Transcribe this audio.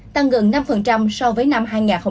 tăng gần năm so với năm hai nghìn hai mươi một